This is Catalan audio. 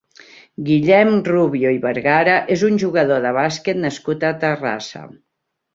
Guillem Rubio i Vergara és un jugador de bàsquet nascut a Terrassa.